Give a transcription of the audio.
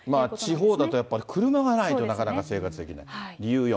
地方だとやっぱり、車がないとなかなか生活できない。